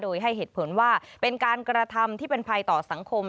โดยให้เหตุผลว่าเป็นการกระทำที่เป็นภัยต่อสังคม